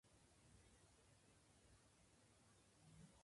John Paul tries to reassure him that all families act that way.